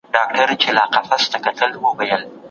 د خلګو فکرونه د علمي پروسو سره یوځای کړئ.